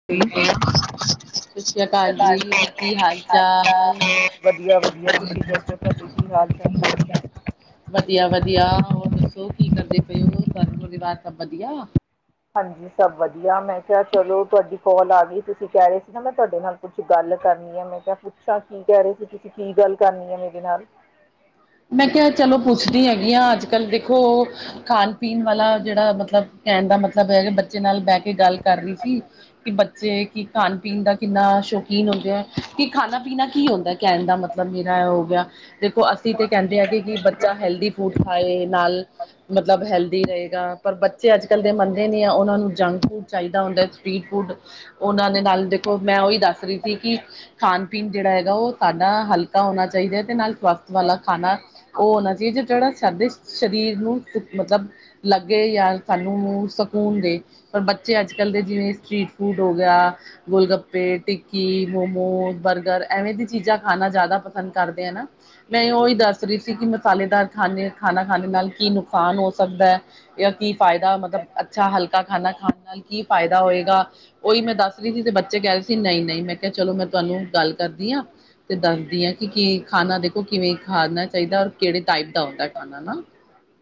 [unintelligible] ਸਤਿ ਸ੍ਰੀ ਅਕਾਲ ਜੀ, ਕੀ ਹਾਲ ਚਾਲ? ਵਧੀਆ-ਵਧੀਆ ਤੁਸੀਂ ਦੱਸੋ, ਤੁਆਡੇ ਕੀ ਹਾਲ ਚਾਲ। ਵਧੀਆ-ਵਧੀਆ ਹੋਰ ਦੱਸੋ ਕੀ ਕਰਦੇ ਪਏਓ, ਘਰ ਪਰਿਵਾਰ ਸਭ ਵਧੀਆ? ਹਾਂਜੀ ਸਭ ਵਧੀਆ, ਮੈਂ ਕੇਆ ਚਲੋ ਤੁਆਡੀ ਕੌਲ ਆ ਗਈ ਦੁਪੈਰੇ - ਕੈਂਦਾ ਤੁਆਡੇ ਨਾਲ ਕੁੱਛ ਗੱਲ ਕਰਨੀ ਐ। ਮੈਂ ਕੇਆ ਪੁੱਛਾਂ, ਕੀ ਕਹਿ ਰੇ ਸੀ ਤੁਸੀਂ ਕੀ ਗੱਲ ਕਰਨੀ ਐ ਮੇਰੇ ਨਾਲ? ਮੈਂ ਕੇਆ ਚਲੋ ਪੁੱਛਦੀ ਹੈਗੀ ਆ ਅੱਜ-ਕੱਲ ਦੇਖੋ ਖਾਣ ਪੀਣ ਵਾਲਾ ਜੇੜਾ ਮਤਲਬ ਕੈਣ ਦਾ ਮਤਲਬ ਐ, ਬੱਚੇ ਨਾਲ ਬੈਹ ਕੇ ਗੱਲ ਕਰ ਰੀ ਸੀ। ਕਿ ਬੱਚੇ ਕੀ ਖਾਣ-ਪੀਣ ਦਾ ਕਿੰਨਾ ਸ਼ੌਕੀਨ ਹੁੰਦੇ ਆ, ਕਿ ਖਾਣਾ-ਪੀਣਾ ਕੀ ਹੁੰਦਾ ਕੈਣ ਦਾ ਮਤਲਬ? ਬੰਦੇ ਦਾ ਐ ਹੋ ਗਯਾ ਦੇਖੋ, ਅਸੀਂ ਤੇ ਕੈਂਦੇ ਹੈਗੇ ਕਿ ਬੱਚਾ ਹੈਲਦੀ ਫੂਡ ਖਾਏ ਨਾਲ ਮਤਲਬ ਹੈਲਦੀ ਰਏਗਾ, ਪਰ ਬੱਚੇ ਅੱਜ ਕੱਲ ਦੇ ਮੰਨਦੇ ਨਹੀਂ ਆ, ਉਹਨਾਂ ਨੂੰ ਜੰਕ ਫੂਡ ਚਾਹੀਦਾ ਹੁੰਦਾ ਸਟ੍ਰਰੀਟ ਫੂਡ, ਉਹਨਾਂ ਦੇ ਨਾਲ ਦੇਖੋ ਮੈਂ ਉਹੀ ਦੱਸ ਰਹੀ ਸੀ ਕਿ ਖਾਣ-ਪੀਣ ਜਿਹੜਾ ਹੈਗਾ ਉਹ ਸਾਡਾ ਹਲਕਾ ਹੋਣਾ ਚਾਹੀਦਾ, ਤੇ ਨਾਲ ਸਵਾਸਥ ਵਾਲਾ ਖਾਣਾ ਉਹ ਹੋਣਾ ਚਾਹੀਦਾ, ਜਿਹੜਾ ਸਾਡੇ ਸਰੀਰ ਨੂੰ ਮਤਲਬ ਲੱਗੇ ਜਾਂ ਸਾਨੂੰ ਸਕੂਨ ਦੇ ਪਰ ਬੱਚੇ ਅੱਜ ਕੱਲ ਦੇ ਜਿਵੇਂ ਸਟ੍ਰਰੀਟ ਫੂਡ ਹੋ ਗਿਆ। ਗੋਲ-ਗੱਪੇ ਟਿੱਕੀ, ਮੋਮੋ, ਬਰਗਰ ਐਵੇਂ ਦੀ ਚੀਜ਼ਾਂ ਖਾਣਾ ਜ਼ਿਆਦਾ ਪਸੰਦ ਕਰਦੇ ਆ ਨਾ। ਮੈਂ ਉਹੀ ਦੱਸ ਰਹੀ ਸੀ ਕਿ ਮਸਾਲੇਦਾਰ ਖਾਨੇ ਖਾਣਾ ਖਾਣੇ ਨਾਲ ਨੁਕਸਾਨ ਹੋ ਸਕਦਾ ਐ। ਜਾਂ ਕੀ ਫਾਇਦਾ ਮਤਲਬ ਅੱਛਾ ਹਲਕਾ ਖਾਨਾ ਖਾਣ ਨਾਲ ਕੀ ਫਾਇਦਾ ਹੋਏਗਾ, ਉਹੀ ਮੈਂ ਦੱਸ [unintelligible] ਬੱਚੇ ਕਹਿ ਰਹੇ ਸੀ ਨਹੀਂ-ਨਹੀਂ ਮੈਂ ਕਿਹਾ ਚਲੋ। ਮੈਂ ਤੁਹਾਨੂੰ ਗੱਲ ਕਰਦੀ ਆ। ਦੱਸਦੀ ਆ, ਕੇ ਕੀ ਖਾਣਾ ਦੇਖੋ ਕਿਵੇਂ ਖਾਣਾ ਚਾਈਦਾ, ਔਰ ਕਿਹੜੇ ਟਾਈਪ ਦਾ ਹੁੰਦਾ‌ ਖਾਣਾ ਨਾ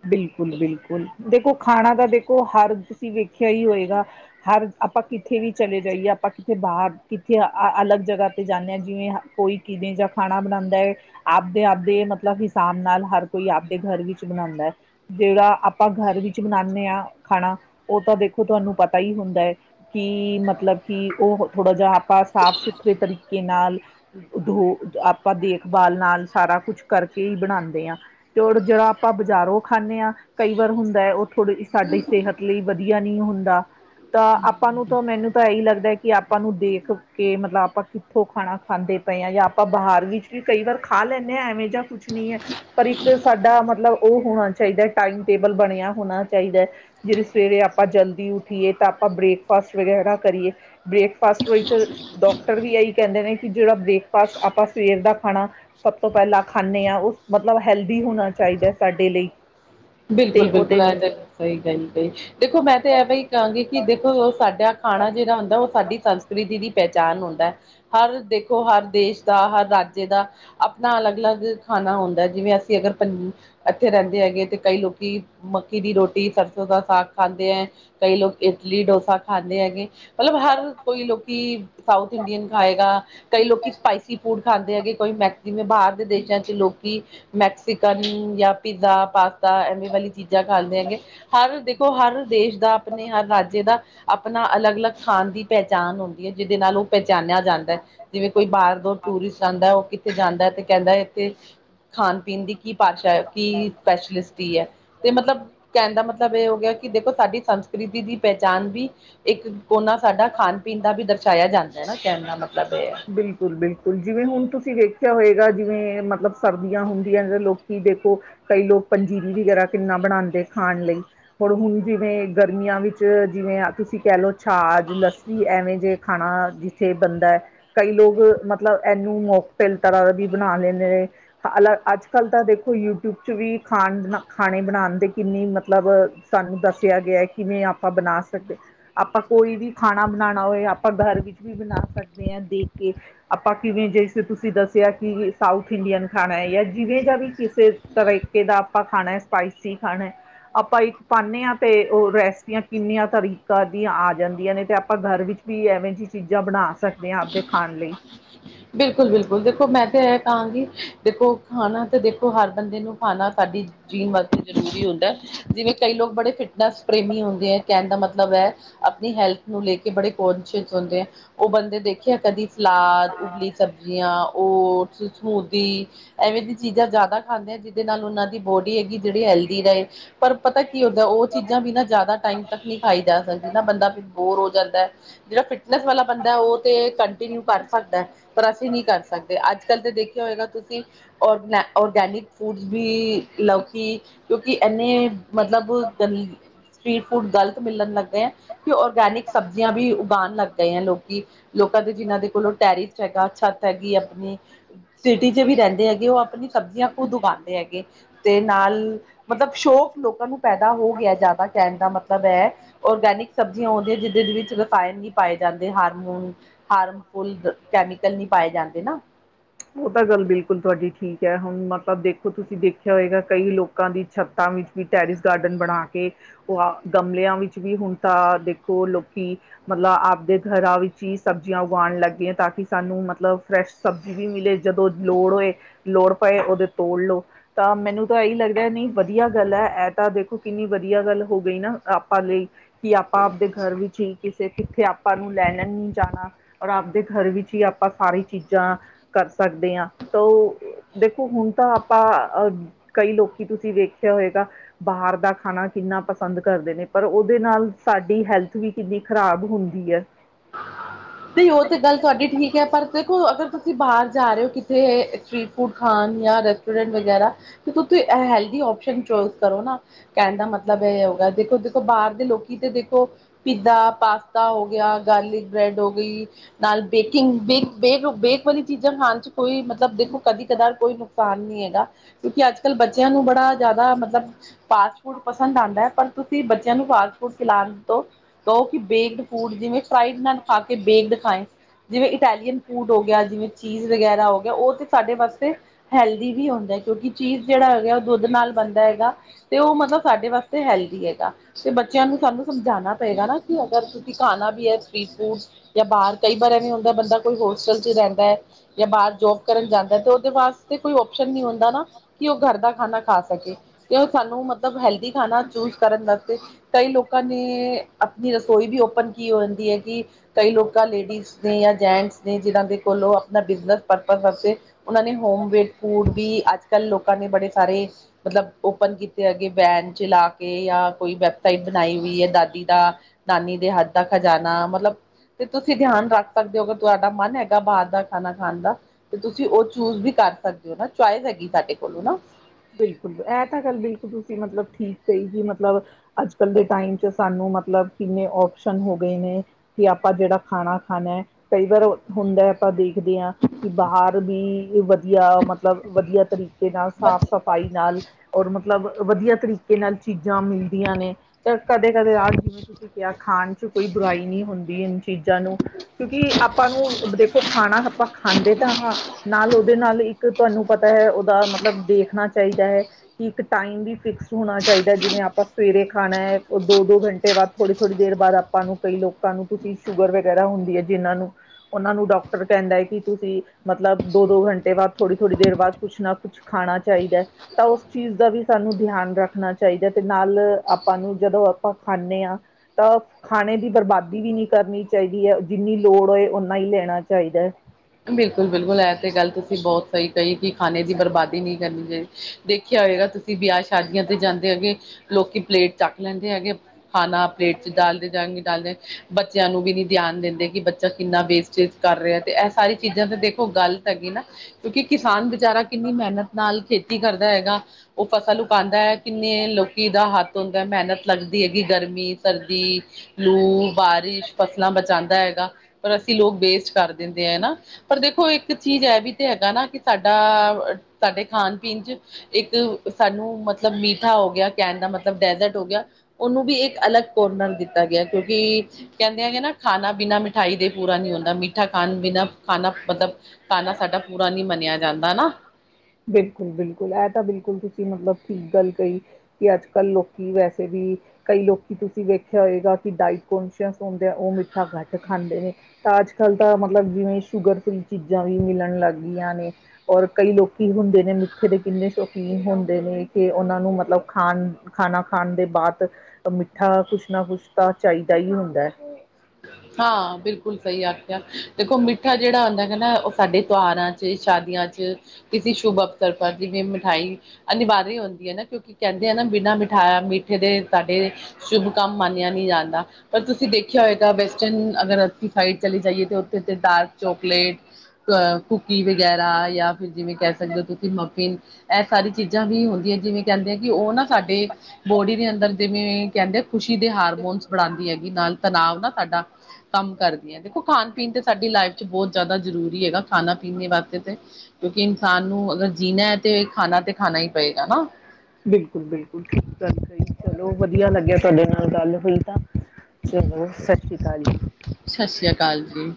ਬਿਲਕੁਲ-ਬਿਲਕੁਲ ਦੇਖੋ ਖਾਣਾ ਦਾ ਦੇਖੋ ਹਰ ਤੁਸੀਂ ਵੇਖਿਆ ਈ ਹੋਏਗਾ। ਹਰ ਆਪਾਂ ਕਿੱਥੇ ਵੀ ਚਲੇ ਜਾਈਏ, ਆਪਾਂ ਕਿੱਥੇ ਬਾਹਰ ਕਿੱਥੇ ਅਲੱਗ ਜਗਾ ਤੇ ਜਾਂਨੇ ਆ ਜਿਵੇਂ ਆ ਕੋਈ ਕਿਦੇ ਜਾਂ ਖਾਣਾ ਬਣਾਂਦਾ ਐ। ਆਪਦੇ-ਆਪਦੇ ਮਤਲਬ ਹਿਸਾਬ ਨਾਲ ਹਰ ਕੋਈ ਆਪਦੇ ਗਰ ਵਿੱਚ ਬਣਾਂਦਾ ਐ। ਜਿਹੜਾ ਆਪਾਂ ਗਰ ਵਿੱਚ ਬਨਾਂਨੇ ਆ ਖਾਣਾ, ਉਹ ਤਾਂ ਦੇਖੋ ਤੁਹਾਨੂੰ ਪਤਾ ਈ ਹੁੰਦਾ ਏ। ਕੀ ਮਤਲਬ ਕੀ ਉਹ ਥੋੜਾ ਜਾਂ ਆਪਾਂ ਸਾਫ਼-ਸੁਥਰੇ ਤਰੀਕੇ ਨਾਲ, ਦੋਅ ਆਪਾਂ ਦੇਖਭਾਲ ਨਾਲ ਸਾਰਾ ਕੁੱਛ ਕਰਕੇ ਈ ਬਣਾਂਦੇ ਆਂ। ਤੇ ਜਿਹੜਾ ਆਪਾਂ ਬਾਜ਼ਾਰੋਂ ਖਾਂਨੇ ਆ, ਕਈ ਵਾਰ ਹੁੰਦਾ ਐ ਉਹ ਥੋੜੀ ਸਾਡੀ ਸਿਹਤ ਲਈ ਵਧੀਆ ਨੀਂ ਹੁੰਦਾ। ਤਾਂ ਆਪਾਂ ਨੂੰ ਤਾਂ ਮੈਨੂੰ ਤਾਂ ਇਹੀ ਲੱਗਦਾ, ਕਿ ਆਪਾਂ ਨੂੰ ਦੇਖ ਕੇ ਮਤਲਬ ਆਪਾਂ ਕਿੱਥੋਂ ਖਾਣਾ ਖਾਂਦੇ ਪਏ ਆ, ਜਾਂ ਆਪਾਂ ਬਾਹਰ ਵਿੱਚ ਵੀ ਕਈ ਵਾਰ ਖਾ ਲੈਨੇ ਆ ਐਵੇਂ ਜਾਂ ਕੁੱਛ ਨੀ ਐ। ਪਰ ਇੱਕ ਸਾਡਾ ਮਤਲਬ ਉਹ ਹੋਣਾ ਚਾਈਦਾ, ਟਾਇਮ ਟੇਬਲ ਬਣਿਆ ਹੋਣਾ ਚਾਈਦਾ। ਜਿਹੜੇ ਸਵੇਰੇ ਆਪਾਂ ਜਲਦੀ ਉੱਠੀਏ, ਤਾਂ ਆਪਾਂ ਬ੍ਰੇਕਫਾਸਟ ਵਗੈਰਾ ਕਰੀਏ। ਬ੍ਰੇਕਫਾਸਟ ਵਿੱਚ ਡੌਕਟਰ ਵੀ ਅੇਈ ਕਹਿੰਦੇ ਨੇ, ਕਿ ਜਿਹੜਾ ਬ੍ਰੇਕਫਾਸਟ ਆਪਾਂ ਸਵੇਰ ਦਾ ਖਾਣਾ ਸਭ ਤੋਂ ਪਹਿਲਾਂ ਖਾਂਨੇ ਆ, ਉਹ ਮਤਲਬ ਹੈਲਦੀ ਹੋਣਾ ਚਾਹੀਦਾ ਸਾਡੇ ਲਈ ਤੇ ਬਿਲਕੁਲ-ਬਿਲਕੁਲ ਉਹਦੇ ਐ ਤੇ ਸਹੀ ਗੱਲ ਕਈ। ਦੇਖੋ ਮੈਂ ਤਾਂ ਐਵੇ ਈ ਕਹਾਂਗੀ, ਕਿ ਦੇਖੋ ਸਾਡਾ ਖਾਣਾ ਜਿਹੜਾ ਹੁੰਦਾ ਉਹ ਸਾਡੀ ਸੰਸਕ੍ਰਿਤੀ ਦੀ ਪਹਿਚਾਣ ਹੁੰਦਾ। ਹਰ ਦੇਖੋ ਹਰ ਦੇਸ਼ ਦਾ ਹਰ ਰਾਜੇ ਦਾ ਆਪਣਾ ਅਲੱਗ-ਅਲੱਗ ਖਾਣਾ ਹੁੰਦਾ, ਜਿਵੇਂ ਅਸੀਂ ਅਗਰ ਪੰ ਅੱਥੇ ਰਹਿੰਦੇ ਹੈਗੇ ਤੇ ਕਈ ਲੋਕੀ ਮੱਕੀ ਦੀ ਰੋਟੀ ਸਰਸੋਂ ਦਾ ਸਾਗ ਖਾਂਦੇ ਐ। ਕਈ ਲੋਕੀ ਇਟਲੀ ਡੋਸਾ ਖਾਂਦੇ ਹੈਗੇ। ਮਤਲਬ ਹਰ ਕੋਈ ਲੋਕੀ ਸਾਊਥ ਇੰਡੀਅਨ ਖਾਏਗਾ, ਕਈ ਲੋਕੀ ਸਪਾਈਸੀ ਫੂਡ ਖਾਂਦੇ ਹੈਗੇ, ਕੋਈ ਮੈਕਸੀ ਬਾਹਰ ਦੇਸ਼ਾਂ ਚ ਲੋਕੀ ਮੈਕਸੀਕਨ ਜਾਂ ਪੀਜ਼ਾ ਪਾਸ -ਤਾ ਐਵੇਂ ਵਾਲੀ ਚੀਜ਼ਾਂ ਖਾਂਦੇ ਹੈਗੇ, ਹਰ ਦੇਖੋ ਹਰ ਦੇਸ਼ ਦਾ ਆਪਣੇ ਹਰ ਰਾਜੇ ਦਾ ਆਪਣਾ ਅਲੱਗ-ਅਲੱਗ ਖਾਣ ਦੀ ਪਹਿਚਾਣ ਹੁੰਦੀ ਐ, ਜਿਹਦੇ ਨਾਲ ਉਹ ਪਹਿਚਾਣਿਆ ਜਾਂਦਾ ਐ ਜਿਵੇਂ ਕੋਈ ਬਾਹਰ ਟੂਰਿਸਟ ਆਂਦਾ ਉਹ ਕਿੱਥੇ ਜਾਂਦਾ ਐ, ਤੇ ਕਹਿੰਦਾ ਐਥੇ ਖਾਣ-ਪੀਣ ਦੀ ਕੀ ਭਾਸ਼ਾ ਐ, ਕੀ ਸਪੈਸ਼ਲਿਸਟ -ਲਿਟੀ ਆ ਮਤਲਬ ਕਹਿਣ ਦਾ ਮਤਲਬ ਇਹ ਹੋ ਗਿਆ, ਕਿ ਦੇਖੋ ਸਾਡੀ ਸੰਸਕ੍ਰਿਤੀ ਦੀ ਪਹਿਚਾਣ ਵੀ ਇੱਕ ਕੋਨਾ ਸਾਡਾ ਖਾਣ- ਪੀਣ ਦਾ ਵੀ ਦਰਸਾਇਆ ਜਾਂਦਾ ਐ ਨਾ, ਕਹਿਣ ਦਾ ਮਤਲਬ ਐਹ ਐ ਬਿਲਕੁਲ ਬਿਲਕੁਲ ਜਿਵੇਂ ਹੁਣ ਤੁਸੀਂ ਵੇਖਿਆ ਹੋਏਗਾ, ਜਿਵੇਂ ਮਤਲਬ ਸਰਦੀਆਂ ਹੁੰਦੀਆਂ ਲੋਕੀ ਦੇਖੋ ਕਈ ਲੋਕ ਪੰਜੀਰੀ ਵਗ਼ੈਰਾ ਕਿੰਨਾਂ ਬਣਾਂਦੇ ਖਾਣ ਲਈ ਹੋਰ ਹੁਣ ਜਿਵੇਂ ਗਰਮੀਆਂ ਵਿੱਚ ਜਿਵੇਂ ਆ ਤੁਸੀਂ ਕਹਿ ਲਓ ਛਾਛ ਲੱਸੀ ਐਵੇਂ ਜਿਏ ਖਾਣਾ ਜਿੱਥੇ ਬਣਦਾ ਹੈ ਕਈ ਲੋਕ ਮਤਲਬ ਇਹਨੂੰ ਮੋਕ ਟੇਲ ਤਰ੍ਹਾਂ ਵੀ ਬਣਾ ਲੈਂਦੇ ਨੇ। ਅੱਜ ਕੱਲ੍ਹ ਤਾਂ ਦੇਖੋ ਯੂਟਿਊਬ ਚ ਵੀ ਖਾਣ ਖਾਣੇ ਬਣਾਉਣ ਦੇ ਕਿੰਨੀ ਮਤਲਬ ਸਾਨੂੰ ਦੱਸਿਆ ਗਿਆ ਕਿਵੇਂ ਆਪਾਂ ਬਣਾ ਸਕਦੇ ਆਪਾਂ ਕੋਈ ਵੀ ਖਾਣਾ ਬਣਾਉਣਾ ਹੋਏ ਆਪਾਂ ਘਰ ਵਿੱਚ ਵੀ ਬਣਾ ਸਕਦੇ ਹਾਂ ਦੇਖ ਕੇ। ਆਪਾਂ ਕਿਵੇਂ ਜੇੇ ਤੁਸੀਂ ਦੱਸਿਆ ਕਿ ਸਾਊਥ ਇੰਡੀਅਨ ਖਾਣਾ ਹੈ, ਜਾਂ ਜਿਵੇਂ ਜ ਵੀ ਕਿਸੇ ਤਰੀਕੇ ਦਾ ਆਪਾਂ ਖਾਣਾ ਸਪਾਈਸੀ ਖਾਣਾ ਆਪਾਂ ਇੱਕ ਪਾਨੇ ਹਾਂ ਤੇ ਉਹ ਰੈਸਪੀਆਂ ਕਿੰਨੀਆਂ ਤਰੀਕਾਂ ਦੀਆਂ ਆ ਜਾਂਦੀਆਂ ਨੇ ਤੇ ਆਪਾਂ ਘਰ ਵਿੱਚ ਵੀ ਐਵੇਂ ਜਿ ਚੀਜ਼ਾਂ ਬਣਾ ਸਕਦੇ ਹਾਂ, ਆਪਦੇ ਖਾਣ ਲਈ ਬਿਲਕੁਲ-ਬਿਲਕੁਲ ਦੇਖੋ ਮੈਂ ਤਾਂ ਇਹ ਕਹਾਂਗੀ ਦੇਖੋ ਖਾਣਾ ਤਾਂ ਦੇਖੋ ਹਰ ਬੰਦੇ ਨੂੰ ਖਾਣਾ ਸਾਡੀ ਜੀਣ ਵਾਸਤੇ ਜ਼ਰੂਰੀ ਹੁੰਦਾ, ਜਿਵੇਂ ਕਈ ਲੋਕ ਬੜੇ ਫਿਟਨੈਸ ਪ੍ਰੇਮੀ ਹੁੰਦੇ ਹੈ ਕਹਿਣ ਦਾ ਮਤਲਬ ਹੈ। ਆਪਣੀ ਹੈਲਥ ਨੂੰ ਲੈ ਕੇ ਬੜੇ ਕੌਸ਼ੀਅਸ ਹੁੰਦੇ ਆ, ਉਹ ਬੰਦੇ ਦੇਖੇ ਆ ਕਦੀ ਫਲਾ ਉਬਲੀ ਸਬਜ਼ੀਆਂ ਓਟਸ ਸਮੂਦੀ ਐਵੇਂ ਦੀਆਂ ਚੀਜ਼ਾਂ ਜ਼ਿਆਦਾ ਖਾਂਦੇ ਆ ਜਿਹਦੇ ਨਾਲ ਉਹਨਾਂ ਦੀ ਬੋਡੀ ਹੈਗੀ ਜਿਹੜੀ ਹੈਲਦੀ ਰਹੇ। ਪਰ ਪਤਾ ਕੀ ਹੁੰਦਾ, ਉਹ ਚੀਜ਼ਾਂ ਵੀ ਨਾ ਜ਼ਿਆਦਾ ਟਾਈਮ ਤੱਕ ਨਹੀਂ ਖਾਈ ਜਾ ਸਕਦੀਆਂ ਨਾ ਬੰਦਾ ਬੋਰ ਹੋ ਜਾਂਦਾ। ਜਿਹੜਾ ਫਿਟਨੈਸ ਵਾਲਾ ਬੰਦਾ ਉਹ ਤੇ ਕੰਟੀਨਿਊ ਕਰ ਸਕਦਾ ਹੈ। ਪਰ ਅਸੀਂ ਨਹੀਂ ਕਰ ਸਕਦੇ, ਅੱਜ ਕੱਲ੍ਹ ਤਾਂ ਦੇਖਿਆ ਹੋਏਗਾ ਤੁਸੀਂ ਔਰਗ ਔਰਗੈਨਿਕ ਫੂਡ ਵੀ ਲਓ ਕਿ ਕਿਉਂਕਿ ਇਨੇ ਮਤਲਬ ਸਟਰੀਟ ਫੂਡ ਗਲਤ ਮਿਲਣ ਲੱਗ ਗਏ ਆ ਕਿ ਔਰਗੈਨਿਕ ਸਬਜ਼ੀਆਂ ਵੀ ਉਗਾਉਣ ਲੱਗ ਗਏ ਆਂ ਲੋਕੀ ਲੋਕਾਂ ਦੇ ਜਿਹਨਾਂ ਦੇ ਕੋਲੋਂ ਟੈਰਿਸ [inaudible] ਛੱਤ ਹੈਗੀ ਆਪਣੀ ਸਿਟੀ ਚ ਵੀ ਰਹਿੰਦੇ ਹੈਗੇ ਉਹ ਆਪਣੀ ਸਬਜ਼ੀਆਂ ਖੁਦ ਉਗਾਉਂਦੇ ਹੈਗੇ। ਤੇ ਨਾਲ ਮਤਲਬ ਸ਼ੌਕ ਲੋਕਾਂ ਨੂੰ ਪੈਦਾ ਹੋ ਗਿਆ, ਜ਼ਿਆਦਾ ਕਹਿਣ ਦਾ ਮਤਲਬ ਹੈ ਔਰਗੈਨਿਕ ਸਬਜ਼ੀਆਂ ਆਉਂਦੀਆਂ, ਜਿਦੇ ਵਿੱਚ ਰਸਾਇਣ ਵੀ ਪਾਏ ਜਾਂਦੇ ਹਾਰਮੋਨ ਹਾਰਮੁਫੁੱਲ ਕੈਮੀਕਲ ਨਹੀਂ ਪਾਏ ਜਾਂਦੇ ਨਾ। ਉਹ ਤਾਂ ਗੱਲ ਬਿਲਕੁਲ ਤੁਹਾਡੀ ਠੀਕ ਹੈ। ਹੁਣ ਮਤਲਬ ਦੇਖੋ ਤੁਸੀਂ ਦੇਖਿਆ ਹੋਏਗਾ ਕਈ ਲੋਕਾਂ ਦੀ ਛੱਤਾਂ ਵਿੱਚ ਵੀ ਟੈਰਿਸ ਗਾਰਡਨ ਬਣਾ ਕੇ ਉਹ ਗਮਲਿਆਂ ਵਿੱਚ ਵੀ ਹੁਣ ਤਾਂ ਦੇਖੋ ਲੋਕੀ ਮਤਲਬ ਆਬਦੇ ਘਰਾਂ ਵਿੱਚ ਹੀ ਸਬਜ਼ੀਆਂ ਉਗਾਉਣ ਲੱਗ ਗਈਏ ਤਾਂ ਕਿ ਸਾਨੂੰ ਮਤਲਬ ਫਰੈਸ਼ ਸਬਜ਼ੀ ਵੀ ਮਿਲੇ ਜਦੋਂ ਲੋੜ ਹੋਏ ਲੋੜ ਪਏ ਉਹਦੇ ਤੋੜ ਲਓ। ਤਾਂ ਮੈਨੂੰ ਤਾਂ ਇਹੀ ਲੱਗਦਾ ਨਹੀਂ ਵਧੀਆ ਗੱਲ ਹੈ ਇਹ ਤਾਂ ਦੇਖੋ ਕਿੰਨੀ ਵਧੀਆ ਗੱਲ ਹੋ ਗਈ ਨਾ ਆਪਾਂ ਲਈ ਕਿ ਆਪਾਂ ਆਪਦੇ ਘਰ ਵਿੱਚ ਹੀ ਕਿਸੇ ਕਿੱਥੇ ਆਪਾਂ ਨੂੰ ਲੈਣ ਨਈ ਜਾਣਾ। ਔਰ ਆਪਦੇ ਘਰ ਵਿੱਚ ਹੀ ਆਪਾਂ ਸਾਰੀ ਚੀਜ਼ਾਂ ਕਰ ਸਕਦੇ ਹਾਂ। ਤਾਂ ਉਹ ਦੇਖੋ ਹੁਣ ਤਾਂ ਆਪਾਂ ਅ ਕਈ ਲੋਕੀ ਤੁਸੀਂ ਵੇਖਿਆ ਹੋਏਗਾ। ਬਾਹਰ ਦਾ ਖਾਣਾ ਕਿੰਨਾ ਪਸੰਦ ਕਰਦੇ ਨੇ, ਪਰ ਉਹਦੇ ਨਾਲ ਸਾਡੀ ਹੈਲਥ ਵੀ ਕਿੰਨੀ ਖ਼ਰਾਬ ਹੁੰਦੀ ਹੈ। ਨਹੀ ਉਹ ਤੇ ਗੱਲ ਤੁਹਾਡੀ ਠੀਕ ਹੈ। ਪਰ ਦੇਖੋ ਅਗਰ ਤੁਸੀਂ ਬਾਹਰ ਜਾ ਰਹੇ ਹੋ ਕਿੱਥੇ ਸਟਰੀਟ ਫੂਡ ਖਾਣ ਜਾਂ ਸਟੂਡੈਂਟ ਵਗੈਰਾ ਤੇ ਤੁਸੀਂ ਹੈਲਦੀ ਔਪਸਨ ਚੂਜ਼ ਕਰੋ ਨਾ। ਕਹਿਣ ਦਾ ਮਤਲਬ ਇਹ ਹੋਊਗਾ, ਦੇਖ- ਦੇਖੋ ਬਾਹਰ ਦੇ ਲੋਕੀ ਤੇ ਦੇਖੋ ਪੀਜ਼ਾ ਪਾਸਤਾ ਹੋ ਗਿਆ। ਗਾਰਲਿਕ ਬ੍ਰੈਡ ਹੋ ਗਈ ਨਾਲ ਬੇਕਿੰਗ ਬੇਕ-ਬੇਕ, ਬੇਕ ਵਾਲੀ ਚੀਜ਼ਾਂ ਖਾਣ ਚ ਕੋਈ ਮਤਲਬ ਦੇਖੋ ਕਦੇ ਕਦਾਰ ਕੋਈ ਨੁਕਸਾਨ ਨੀ ਹੈਗਾ ਕਿਉਂਕਿ ਅੱਜ ਕੱਲ੍ਹ ਬੱਚਿਆਂ ਨੂੰ ਬੜਾ ਜ਼ਿਆਦਾ ਮਤਲਬ ਫਾਸਟ ਫੂਡ ਪਸੰਦ ਆਦਾ ਹੈ। ਪਰ ਤੁਸੀਂ ਬੱਚਿਆਂ ਨੂੰ ਫਾਸਟ ਫੂਡ ਖਿਲਾਣ ਤੋਂ ਕਹੋ ਕਿ ਬੇਕਡ ਫੂਡ ਜਿਵੇਂ ਫਰਾਈਡ ਨਾਲ ਕੇ ਬੇਕਡ ਖਾਏ ਜਿਵੇਂ ਇਟਾਲੀਅਨ ਫੂਡ ਹੋ ਗਿਆ। ਜਿਵੇਂ ਚੀਜ਼ ਵਗੈਰਾ ਹੋ ਗਿਆ। ਉਹ ਤੇ ਸਾਡੇ ਵਾਸਤੇ ਹੈਲਦੀ ਵੀ ਹੁੰਦਾ ਹੈ। ਕਿਉਂਕਿ ਚੀਜ਼ ਜਿਹੜਾ ਹੋ ਗਿਆ ਉਹ ਦੁੱਧ ਨਾਲ ਬਣਦਾ ਹੈਗਾ। ਤੇ ਉਹ ਮਤਲਬ ਸਾਡੇ ਵਾਸਤੇ ਹੈਲਦੀ ਹੈਗਾ। ਤੇ ਬੱਚਿਆ ਨੂੰ ਸਾਨੂੰ ਸਮਝਾਣਾ ਪਏਗਾ ਨਾ ਕਿ ਅਗਰ ਤੁਸੀਂ ਖਾਣਾ ਵੀ ਏ ਸਟਰੀਟ ਫੂਡ ਯਾ ਬਾਰ ਕਈ ਵਾਰ ਐਵੇਂ ਹੁੰਦਾ ਬੰਦਾ ਕੋਈ ਹੋਸਟਲ ਚ ਰੈਂਦਾ। ਯਾ ਬਾਰ ਜੋਬ ਕਰਨ ਜਾਂਦਾ ਤੇ ਉਦੇ ਵਾਸਤੇ ਕੋਈ ਓਪਸ਼ਨ ਨੀ ਹੁੰਦਾ ਨਾ। ਕਿ ਉਹ ਘਰ ਦਾ ਖਾਣਾ ਖਾ ਸਕੇ ਤੇ ਉਹ ਸਾਨੂੰ ਮਤਲਬ ਹੈਲਦੀ ਖਾਣਾ ਚੂਜ ਕਰਨ ਵਾਸਤੇ ਕਈ ਲੋਕਾਂ ਨੇ ਆਪਣੀ ਰਸੋਈ ਵੀ ਓਪਨ ਕੀ ਹੁੰਦੀ ਏ ਕਿ ਕਈ ਲੋਕਾਂ ਲੇਡੀਜ਼ ਨੇ ਯਾ ਜੈਂਟਸ ਨੇ ਜਿਨ੍ਹਾਂ ਦੇ ਕੋਲੋਂ ਆਪਣਾ ਬਿਜ਼ਨਸ ਪਰਪਜ਼ ਵਾਸਤੇ ਉਨਾਂ ਨੇ ਹੋਮ ਮੇਡ ਫੂਡ ਵੀ ਅੱਜ ਕੱਲ ਲੋਕਾਂ ਨੇ ਬੜੇ ਸਾਰੇ ਮਤਲਬ ਓਪਨ ਕੀਤੇ ਹੈਗੇ ਵੇਨ ਚਲਾ ਕੇ ਯਾ ਨਾਲ ਕੋਈ ਵੈਬਸਾਈਟ ਬਣਾਈ ਹੋਈ ਏ ਦਾਦੀ ਦਾ ਨਾਨੀ ਦੇ ਹੱਥ ਦਾ ਖਜਾਨਾ ਮਤਲਬ ਤੇ ਤੁਸੀਂ ਧਿਆਨ ਰੱਖ ਸਕਦੇ ਓ ਅਗਰ ਤੁਹਾਡਾ ਮਨ ਹੈਗਾ ਬਾਰ ਦਾ ਖਾਣਾ ਖਾਣ ਦਾ। ਤੇ ਤੁਸੀਂ ਓ ਚੂਜ ਵੀ ਕਰ ਸਕਦੇ ਔ ਨਾ ਚੁਇਸ ਹੈਗੀ ਸਾਡੇ ਕੋਲੋ ਨਾ। ਬਿਲਕੁਲ ਐ ਤਾਂ ਗੱਲ ਬਿਲਕੁਲ ਤੁਸੀਂ ਮਤਲਬ ਠੀਕ ਕਈ ਜੀ ਮਤਲ ਲਬ ਅੱਜ ਕੱਲ ਦੇ ਟਾਈਮ ਚ ਸਾਨੂੰ ਮਤਲਬ ਕਿੰਨੇ ਓਪਸ਼ਨ ਹੋ ਗਏ ਨੇ। ਕਿ ਆਪਾਂ ਜੇੜਾ ਖਾਣਾ ਖਾਨਾ ਕਈ ਵਾਰ ਹੁੰਦਾ ਏ ਆਪਾਂ ਦੇਖ ਦੇ ਆ ਕਿ ਬਾਹਰ ਵੀ ਵਧੀਆ ਆ ਮਤਲਬ ਵਧੀਆ ਤਰੀਕੇ ਨਾਲ ਬਸ ਸਾਫ਼-ਸਫ਼ਾਈ ਨਾਲ ਔਰ ਮਤ ਤਲਬ ਵਧੀਆ ਤਰੀਕੇ ਨਾਲ ਚੀਜ਼ਾਂ ਮਿਲਦੀਆ ਨੇ ਤੇ ਕਦੇ-ਕਦੇ ਰ ਜਿਵੇਂ ਤੁਸੀਂ ਕਿਆ ਖਾਣ ਚ ਕੋਈ ਬੁਰਾਈ ਨੀ ਹੁੰਦੀ ਇਨ ਚੀਜ਼ਾਂ ਨੂੰ। ਕਿਉਂਕਿ ਆਪਾਂ ਨੂੰ ਦੇਖੋ ਖਾਣਾ ਆਪਾਂ ਖਾਂਦੇ ਤਾ ਹਾ। ਨਾਲ ਉਦੇ ਨਾਲ ਇੱਕ ਤੁਹਾਨੂੰ ਪਤਾ ਹੈ ਔਦਾ ਮਤਲਬ ਦੇਖਣਾ ਚਾਈਦਾ ਐ ਇੱਕ ਟਾਈਮ ਵੀ ਫਿਕਸ ਹੋਣਾ ਚਾਇ ਜਿਵੇਂ ਆਪਾਂ ਸਵੇਰੇ ਖਾਣਾ ਐ ਉਹ ਦੋ-ਦੋ ਘੰਟੇ ਬਾਦ ਥੋੜੀ-ਥੋੜੀ ਦੇਰ ਬਾਦ ਆਪਾਂ ਨੂੰ ਕਈ ਲੋਕ ਤੁਸੀਂ ਸ਼ੂਗਰ ਵਗੈਰਾ ਹੁੰਦੀ ਏ ਜਿਨਾਂ ਨੂੰ ਉਨਾਂ ਨੂੰ ਡਾਕਟਰ ਕੈਂਦਾ ਹੈ ਕਿ ਤੁਸੀਂ ਮਤਲਬ ਦੋ-ਦੋ ਗੰਟੇ ਬਾਦ ਥੋੜੀ-ਥੋੜੀ ਦੇਰ ਬਾਦ ਕੁਛ ਨਾ ਕੁਛ ਖਾਣਾ ਚਾਈਦਾ। ਤਾਂ ਉਸ ਚੀਜ਼ ਦਾ ਵੀ ਸਾਨੂੰ ਧਿਆਨ ਰੱਖਣਾ ਚਾਹੀਦਾ ਤੇ ਨਾਲ ਆਪਾਂ ਨੂੰ ਜਦੋਂ ਆਪਾ ਖਾਂਨੇ ਆ ਤਾਂ ਖਾਣੇ ਦੀ ਬਰਬਾਦੀ ਵੀ ਨੀ ਕਰਨੀ ਚਾਈਦੀ ਐ ਜਿੰਨੀ ਲੋੜ ਹੋਏ ਓਨਾ ਈ ਲੈਣਾ ਚਾਈਦਾ। ਬਿਲਕੁਲ-ਬਿਲਕੁਲ ਐ ਤੇ ਗੱਲ ਤੁਸੀਂ ਬੋਤ ਸਈ ਕਈ ਕਿ ਖਾਣੇ ਦੀ ਬਰਬਾਦੀ ਨੀ ਕਰਨੀ ਚਾ ਦੇਖਿਆ ਹੋਏਗਾ ਤੁਸੀਂ ਵਿਆਹ ਸ਼ਾਦੀਆਂ ਤੇ ਜਾਂਦੇ ਹੋਂਗੇ ਲੋਕੀ ਪਲੇਟ ਚੱਕ ਲੈਂਦੇ ਹੈਗੇ ਖਾਣਾ ਪਲੇਟ ਚ ਡਾਲਦੇ ਜਾਂਗੇ ਗੇ ਡਾਲਦੇ ਬੱਚਿਆਂ ਨੂੰ ਵੀ ਨੀ ਧਿਆਨ ਦਿੰਦੇ ਕਿ ਬੱਚਾ ਕਿੰਨਾ ਵੇਸਟੇਜ ਕਰ ਰਿਆ ਤੇ ਏਸ ਸਾਰੀ ਚੀਜ਼ਾਂ ਤੇ ਦੇਖੋ ਗਲਤ ਹੈਗੀ ਨਾ। ਕਿਉਂਕਿ ਕਿਸਾਨ ਵੇਚਾਰਾ ਕਿੰਨੀ ਮਿਹਨਤ ਨਾਲ ਖੇਤੀ ਕਰਦਾ ਹੈਗਾ। ਉਹ ਫਸਲ ਉਗਾਾਂਉਂਦਾ ਹੈ ਕਿੰਨੇ ਲੋਕੀ ਦਾ ਹੱਥ ਹੁੰਦਾ ਮਿਹਨਤ ਲੱਗਦੀ ਹੈਗੀ ਗਰਮੀ, ਸਰਦੀ ਲੂ, ਬਾਰਿਸ਼ ਫਸਲਾਂ ਬਚਾਂਦਾ ਹੈਗਾ ਪਰ ਅਸੀਂ ਲੋਕ ਵੇਸਟ ਕਰ ਦਿੰ ਐ ਨਾ, ਪਰ ਦੇਖੋ ਇੱਕ ਚੀਜ਼ ਐ ਵੀ ਤੇ ਹੈਗਾ ਨਾ ਕਿ ਸਾਡਾ ਸਾਡੇ ਖਾਣ ਪੀਣ ਚ ਇੱਕ ਸਾਨੂੰ ਮਤਲਬ ਮੀਠਾ ਹੋ ਗਿਆ ਕਹਿਣ ਦਾ ਮਤਲਬ ਡੈਜ਼ਟ ਹੋ ਗਿਆ। ਓਨੂੰ ਵੀ ਇੱਕ ਅਲੱਗ ਕੋਰਨਰ ਦਿੱਤਾ ਗਿਆ ਕਿਉਂਕਿ ਕੈੰਦੇ ਹੈਗੇ ਨਾ ਖਾਣਾ ਬਿਨਾ ਮਿਠਾਈ ਦੇ ਪੂਰਾ ਨੀ ਹੁੰਦਾ ਮਿੱਠਾ ਖਾਣ ਬਿਨਾਂ ਖਾਣਾ ਮਤਲਬ ਖਾਣਾ ਸਾਡਾ ਪੂਰਾ ਨੀ ਮੰਨਿਆ ਜਾਂਦਾ ਨਾ। ਬਿਲਕੁਲ -ਬਿਲਕੁਲ ਐ ਤਾਂ ਬਿਲਕੁਲ ਤੁਸੀਂ ਮਤਲਬ ਠੀਕ ਗੱਲ ਕਈ। ਕਿ ਅੱਜ ਕੱਲ ਲੋਕੀ ਵੈਸੇ ਵੀ ਕਈ ਲੋਕੀ ਤੁਸੀਂ ਵੇਖਿਆ ਹੋਏਗਾ ਕਿ ਡਾਇਟ ਕੌਨਸੀਅਸ ਹੁੰਦੇ ਆ ਉਹ ਮਿੱਠਾ ਗੱਟ ਖਾਂਦੇ ਨੇ। ਤਾਂ ਅੱਜ ਕੱਲ ਤਾਂ ਮਤਲਬ ਜਿਵੇਂ ਸ਼ੂਗਰ ਫ੍ਰੀ ਚੀਜ਼ਾਂ ਵੀ ਮਿਲਣ ਲੱਗ ਗਈਆਂ ਨੇ। ਔਰ ਕਈ ਲੋਕੀ ਹੁੰਦੇ ਨੇ ਮਿੱਠੇ ਦੇ ਕਿੰਨੇ ਸ਼ੌਕੀਨ ਹੁੰਦੇ ਨੇ ਕਿ ਉਨਾਂ ਨੂੰ ਮਤਲਬ ਖਾਣ ਖਾਣਾ ਖਾਣ ਦੇ ਬਾਅਦ ਮਿੱਠਾ ਕੁਛ ਨਾ ਕੁਛ ਤਾਂ ਚਾਹੀਦਾ ਈ ਹੁੰਦਾ ਐ। ਹਾਂ ਬਿਲਕੁਲ ਸਹੀ ਆਖਿਆ ਦੇਖੋ ਮਿੱਠਾ ਜਿਹੜਾ ਆਂਦਾ ਹੈ ਨਾ ਉਹ ਸਾਡੇ ਤਿਉਹਾਰਾਂ ਚ, ਸ਼ਾਦੀਆਂ ਚ ਕਿਸੇ ਸ਼ੁਭ ਅਵਸਰ ਪਰ ਜਿਵੇਂ ਮਿਠਾਈ ਅਨਿਵਾਰ ਹੁੰਦੀ ਹੈ। ਨਾ ਕਿਉਂਕਿ ਕਹਿੰਦੇ ਆ ਨਾ ਬਿਨਾਂ ਮਿਠਾਇਆ ਮੀ ਜੇਹੜੇ ਸਾਹਾਡੇ ਸ਼ੁੰਭ ਕੰਮ ਮੰਨਿਆ ਨਹੀਂ ਜਾਂਦਾ। ਪਰ ਤੁਸੀਂ ਦੇਖਿਆ ਹੋਏਗਾ ਵੈਸੇ ਅਗਰ ਅਸੀਂ ਸਾਈਡ ਚਲੀ ਜਾਈਏ ਤੇ ਉੱਥੇ ਤੇ ਡਾਰਕ ਚੌਕਲੇਟਸ਼ ਕੁਕੀ ਵਗੈਰਾ ਯਾਂ ਜਿਵੇਂ ਕੈਹ ਸਕਦੇ ਹੋ ਤੁਸੀਂ ਮਫਿਨ ਇਹ ਸਾਰੀ ਚੀਜ਼ਾਂ ਵੀ ਹੁੰਦੀਆਂ ਜਿਵੇਂ ਕਹਿੰਦੇ ਆ ਕਿ ਉਹ ਨਾ ਸਾਡੇ ਬੋਡੀ ਦੇ ਅੰਦਰ ਜਿਵੇਂ ਕਹਿੰਦੇ ਆ ਖੁਸ਼ੀ ਦੇ ਹਾਰਮੋਨਸ ਬਣਾਉਂਦੀ ਹੈਗੀ ਨਾਲ ਤਣਾਵ ਨਾ ਸਾਡਾ ਕੰਮ ਕਰਦੀਆਂ। ਦੇਖੋ ਖਾਣ-ਪੀਣ ਤੇ ਸਾਡੀ ਲਾਈਫ ਚ ਬਹੁਤ ਜ਼ਿਆਦਾ ਜ਼ਰੂਰੀ ਹੈਗਾ ਖਾਣਾ-ਪੀਣੇ ਵਾਸਤੇ ਤੇ ਕਿਉਂਕਿ ਇਨਸਾਨ ਨੂੰ ਅਗਰ ਜੀਣਾ ਹੈ ਤੇ ਖਾਣਾ ਤੇ ਖਾਣਾ ਹੀ ਪਏਗਾ ਨਾ। ਬਿਲਕੁਲ-ਬਿਲਕੁਲ ਗੱਲ ਸਹੀ ਚਲੋ ਵਧੀਆ ਲੱਗਿਆ ਤੁਹਾਡੇ ਨਾਲ ਗੱਲ ਹੋਈ ਤਾਂ ਚਲੋ, ਸਤ ਸ਼ੀ ਅਕਾਲ ਜੀ। ਸਤਿ ਸ੍ਰੀ ਅਕਾਲ ਜੀ।